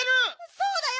そうだよ！